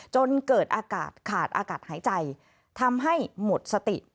จนเกิดอากาศขาดอากาศหายใจทำให้หมดสติ